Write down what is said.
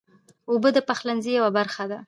اوبه د پخلنځي یوه برخه ده.